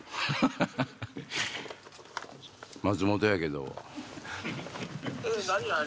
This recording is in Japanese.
松本やけど。